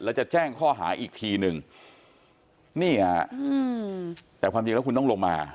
แล้วจะแจ้งข้อหาอีกทีนึงแต่ความจริงแล้วคุณต้องลงมา